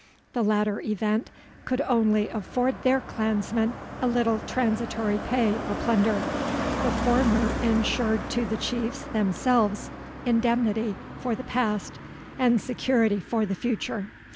The latter event could only afford their clansmen a little transitory pay or plunder; the former insured to the Chiefs themselves indemnity for the past, and security for the future.